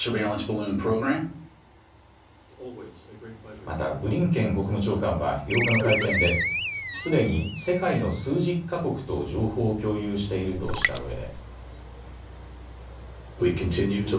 またブリンケン国務長官は８日の会見ですでに世界の数十か国と情報を共有しているとしたうえで。